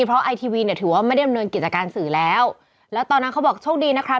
เพราะไอทีวีเนี่ยถือว่าไม่ได้ดำเนินกิจการสื่อแล้วแล้วตอนนั้นเขาบอกโชคดีนะครับ